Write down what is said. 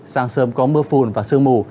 sáng sớm có mưa phùn và sương mù